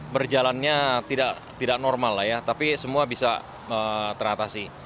berjalannya tidak normal lah ya tapi semua bisa teratasi